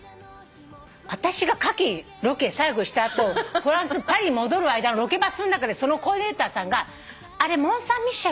私がカキロケ最後した後フランスパリに戻る間のロケバスの中でそのコーディネーターさんが「あれモンサンミッシェルですよ。